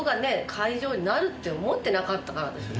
会場になるって思ってなかったから私。